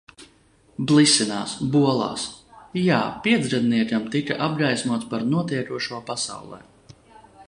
Blisinās, bolās. Jā, piecgadniekam tika apgaismots par notiekošo pasaulē.